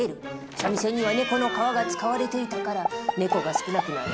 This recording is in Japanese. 三味線には猫の皮が使われていたから猫が少なくなる。